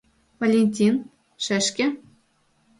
Валентин, шешке.